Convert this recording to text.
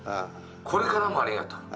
これからもありがとう。